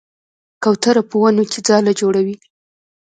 کوتره په ونو کې ځاله جوړوي.